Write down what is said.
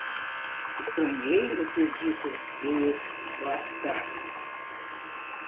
Estranhei ele ter dito “desbastar”.